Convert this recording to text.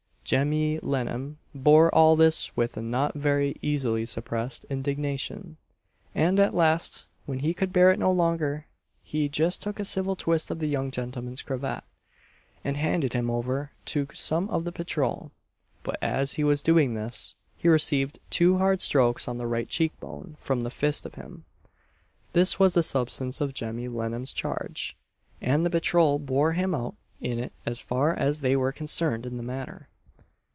Jemmy Lennam bore all this with a not very easily suppressed indignation; and at last, when he could bear it no longer, he "just took a civil twist of the young gentleman's cravat," and handed him over to some of the patrol; but as he was doing this, he received "two hard strokes on the right cheek bone from the fist of him." This was the substance of Jemmy Lennam's charge, and the patrol bore him out in it as far as they were concerned in the matter.